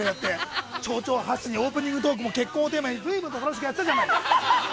丁々発止でオープニングテーマも結婚をテーマに随分、楽しくやってたじゃない。